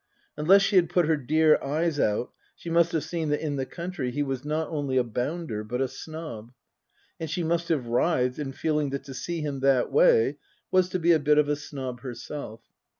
Unless she had put her dear eyes out she must have seen that in the country he was not only a bounder but a snob. And she must have writhed in feeling that to see him that way was to be a bit of a snob herself.